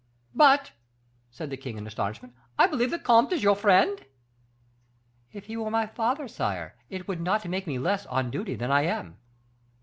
"'But,' said the king, in astonishment, 'I believe the comte is your friend?' "'If he were my father, sire, it would not make me less on duty than I am.